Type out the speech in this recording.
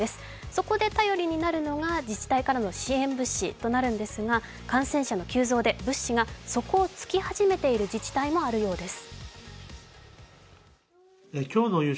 そこで頼りになるのが、自治体からの支援物資となるのですが、感染者の急増で物資が底を尽き始めている自治体もあるようです。